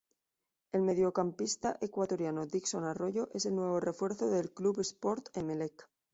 El mediocampista Ecuatoriano Dixon Arroyo, es el nuevo refuerzo del Club Sport Emelec.